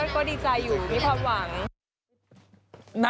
ก็ดีใจอยู่มีความหวัง